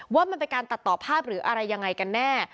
ว่ามันเป็นการตัดต่อภาพหรืออะไรยังไงกันแน่